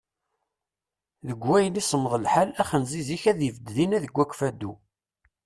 Deg wayen i semmeḍ lḥal, axenziz-ik ad ibedd dinna deg Ukfadu.